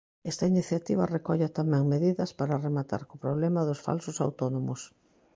Esta iniciativa recolle tamén medidas para rematar co problema dos falsos autónomos.